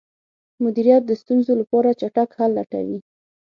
مدیریت د ستونزو لپاره چټک حل لټوي.